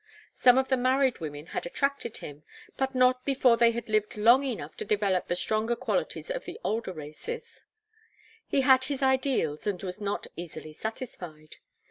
Some of the married women had attracted him, but not before they had lived long enough to develop the stronger qualities of the older races; he had his ideals and was not easily satisfied.